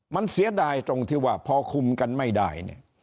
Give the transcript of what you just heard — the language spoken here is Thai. มันเสียดายตรงที่ว่าพอคุมกันไม่ได้เนี่ย